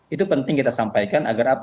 itu penting kita sampaikan agar apa